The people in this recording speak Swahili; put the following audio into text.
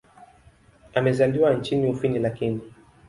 Amezaliwa nchini Ufini lakini.